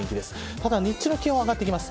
ただ日中の気温は上がってきます。